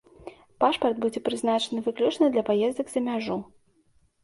Пашпарт будзе прызначаны выключна для паездак за мяжу.